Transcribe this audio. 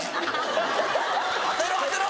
当てろ当てろ！